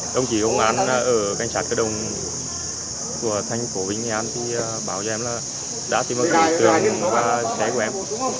đồng chí công an ở cảnh sát cơ động của thành phố vĩnh nghệ an thì bảo cho em là đã tìm ở cửa trường và xe của em